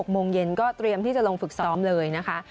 โมงเย็นก็เตรียมที่จะลงฝึกซ้อมเลยนะคะ